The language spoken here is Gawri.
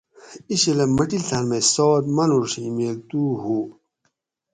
اینچھلہ مٹلتان مئی سات مانوڛ ہِمیل تُو ہُو